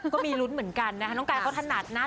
ก็มีลุ้นเหมือนกันนะคะน้องกายเขาถนัดนะ